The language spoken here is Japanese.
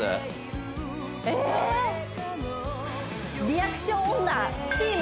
リアクション女